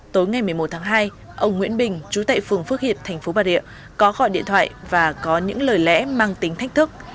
tối ngày một mươi một tháng hai ông nguyễn bình chú tệ phường phước hiệp tp bà rịa có gọi điện thoại và có những lời lẽ mang tính thách thức